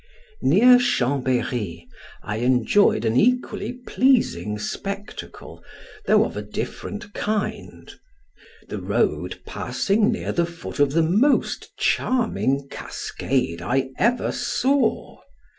Near Chambery I enjoyed an equal pleasing spectacle, though of a different kind; the road passing near the foot of the most charming cascade I ever saw.